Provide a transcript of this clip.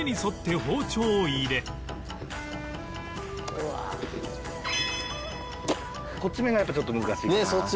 こっち面がやっぱちょっと難しいかな。